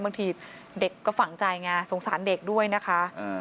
บางทีเด็กก็ฝังใจไงสงสารเด็กด้วยนะคะ